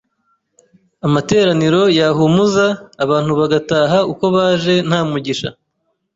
amateraniro yahumuza, abantu bagataha uko baje nta Mugisha